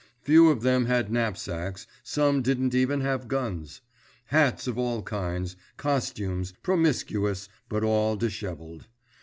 Few of them had knapsacks, some didn't even have guns. Hats of all kinds; costumes—promiscuous but all disheveled.